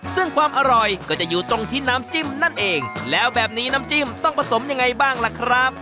ซึ่งความอร่อยก็จะอยู่ตรงที่น้ำจิ้มนั่นเองแล้วแบบนี้น้ำจิ้มต้องผสมยังไงบ้างล่ะครับ